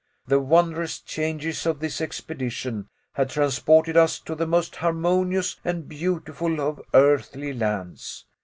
The wondrous changes of this expedition had transported us to the most harmonious and beautiful of earthly lands.